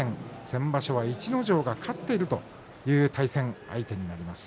先場所は逸ノ城が勝っているという対戦相手。